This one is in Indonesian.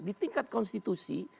di tingkat konstitusi